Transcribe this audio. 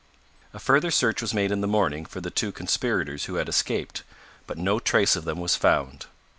A further search was made in the morning for the two conspirators who had escaped, but no trace of them was found.